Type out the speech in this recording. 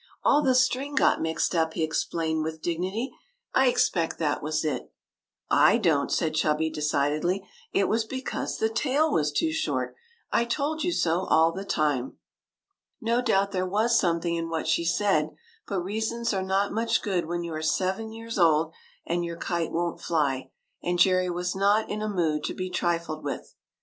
*' All the string got mixed up," he ex plained with dignity ;'' I expect that was it." " I don't," said Chubby, decidedly ;" it was because the tail was too short. I told you so, all the time." No doubt there was something in what she said, but reasons are not much good when you are seven years old and your kite won't fly, and Jerry was not in a mood to be trifled with.